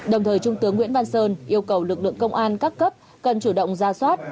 đồng thời trung tướng nguyễn văn sơn yêu cầu lực lượng công an các cấp cần chủ động ra soát